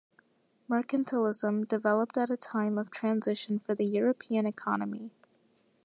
Mercantilism developed at a time of transition for the European economy.